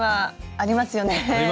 ありますよね。